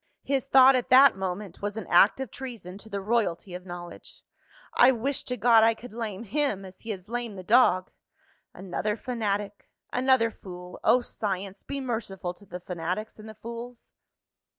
His thought at that moment, was an act of treason to the royalty of Knowledge, "I wish to God I could lame him, as he has lamed the dog!" Another fanatic! another fool! Oh, Science, be merciful to the fanatics, and the fools!